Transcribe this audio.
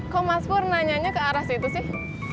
kok mas pur nanyanya ke aras itu sih